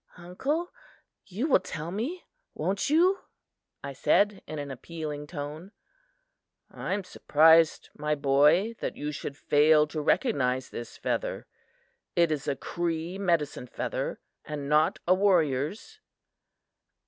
"Uncle, you will tell me, won't you?" I said, in an appealing tone. "I am surprised, my boy, that you should fail to recognize this feather. It is a Cree medicine feather, and not a warrior's."